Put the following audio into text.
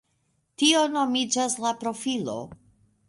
Tio nomiĝas la profilo.